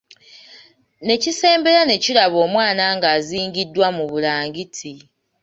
Ne kisembera ne kiraba omwana ng'azingidwa mu bulangiti.